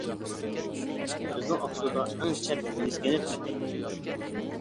بىزنىڭ ئاقسۇدا ئەڭ چەت يېزا كەنت مەكتەپلىرىدىمۇ ئۆتۈلىدۇ.